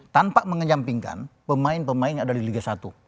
tanpa mengenyampingkan pemain pemain yang ada di liga satu